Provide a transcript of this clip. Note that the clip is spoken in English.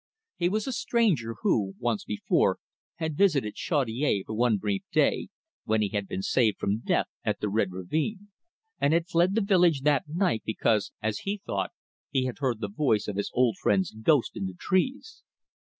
He was a stranger who, once before, had visited Chaudiere for one brief day, when he had been saved from death at the Red Ravine, and had fled the village that night because, as he thought, he had heard the voice of his old friend's ghost in the trees.